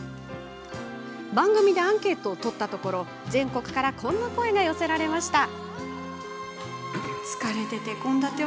番組でアンケートを取ったところ全国からこんな声が寄せられました。